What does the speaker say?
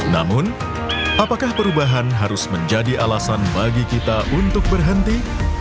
namun apakah perubahan harus menjadi alasan bagi kita untuk berhenti